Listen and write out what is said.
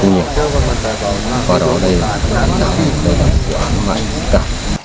nghĩa qua đó để đảm bảo